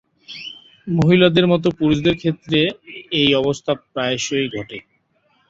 মহিলাদের মতো পুরুষদের ক্ষেত্রে এই অবস্থা প্রায়শই ঘটে।